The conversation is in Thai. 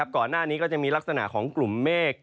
ก่อนหน้านี้ก็จะมีลักษณะของกลุ่มเมฆ